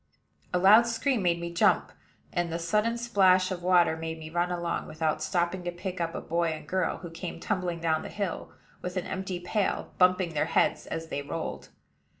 A loud scream made me jump; and the sudden splash of water made me run along, without stopping to pick up a boy and girl who came tumbling down the hill, with an empty pail, bumping their heads as they rolled.